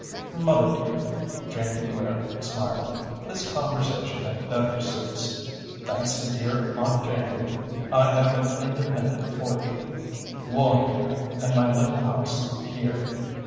"Mother dear," Jane declared, smiling, "this conversation had better cease. Thanks to dear Aunt Jane, I have an independent fortune, Woolhanger, and my little house here.